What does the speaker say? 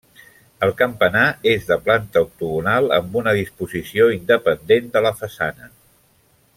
El campanar és de planta octogonal, amb una disposició independent de la façana.